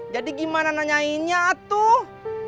jadi gimana nanyainnya atuh